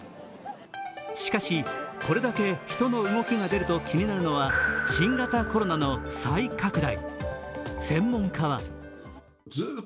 しかし、これだけ人の動きが出ると気になるのは新型コロナの再拡大。